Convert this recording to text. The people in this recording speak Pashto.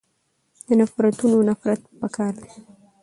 د نفرتونونه نفرت پکار دی.